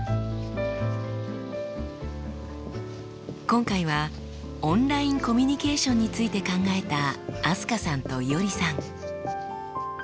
今回はオンラインコミュニケーションについて考えた飛鳥さんといおりさん。